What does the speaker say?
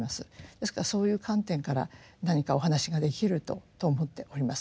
ですからそういう観点から何かお話ができると思っております。